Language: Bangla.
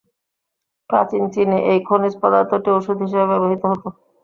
প্রাচীন চীনে এই খনিজ পদার্থটি ঔষধ হিসাবে ব্যবহৃত হতো।